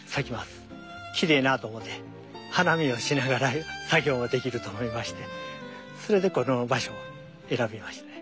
きれいなと思って花見をしながら作業ができると思いましてそれでこの場所を選びましたね。